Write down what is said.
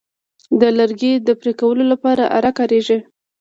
د لرګي د پرې کولو لپاره آره کاریږي.